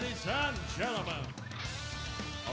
เพื่อเจ้าต้องการ